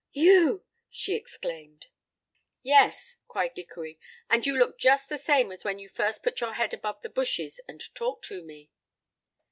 "You!" she exclaimed. "Yes," cried Dickory; "and you look just the same as when you first put your head above the bushes and talked to me."